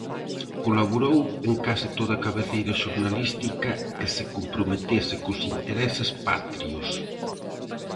Colaborou en case toda cabeceira xornalística que se comprometese cos intereses patrios.